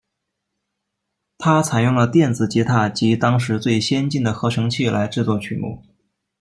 它采用了电子吉他及当时最先进的合成器来制作曲目。